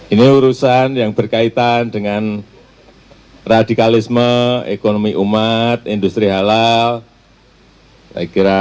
ini urusan yang berkaitan dengan radikalisme ekonomi umat industri halal saya kira